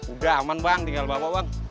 udah aman bang tinggal bawa bang